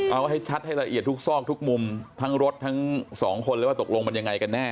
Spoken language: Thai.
เอาให้ชัดให้ละเอียดทุกซอกทุกมุมทั้งรถทั้งสองคนเลยว่าตกลงมันยังไงกันแน่